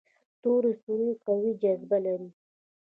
تور سوري قوي جاذبه لري.